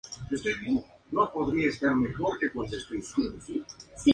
El área es un desierto casi desprovisto de vida animal.